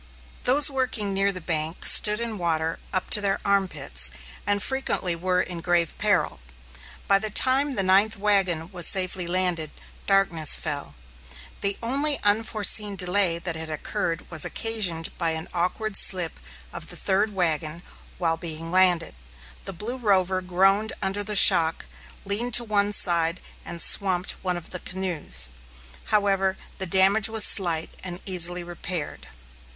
Those working near the bank stood in water up to their arm pits, and frequently were in grave peril. By the time the ninth wagon was safely landed, darkness fell. The only unforeseen delay that had occurred was occasioned by an awkward slip of the third wagon while being landed. The Blue Rover groaned under the shock, leaned to one side and swamped one of the canoes. However, the damage was slight and easily repaired.